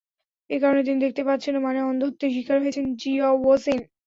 এ কারণে তিনি দেখতে পাচ্ছেন না; মানে অন্ধত্বের শিকার হয়েছেন জিয়াওজিন।